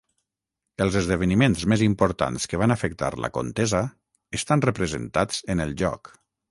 Els esdeveniments més importants que van afectar la contesa estan representats en el joc.